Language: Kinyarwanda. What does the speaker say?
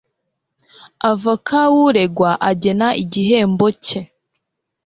Avoka w uregwa agena igihembo cye